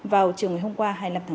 vào trường ngày hôm qua